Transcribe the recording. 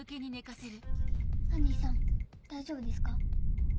アンディさん大丈夫ですか？